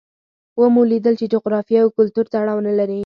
ومو لیدل چې جغرافیې او کلتور تړاو نه لري.